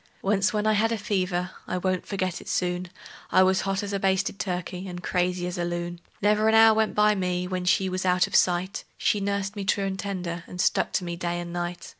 Once when I had a fever I won't forget it soon I was hot as a basted turkey and crazy as a loon; Never an hour went by me when she was out of sight She nursed me true and tender, and stuck to me day and night.